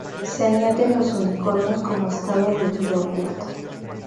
Se añaden los unicornios como estado de vida oculto.